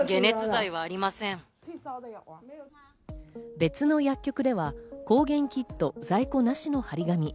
別の薬局では抗原キット在庫なしの張り紙。